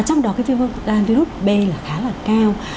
trong đó cái virus b là khá là cao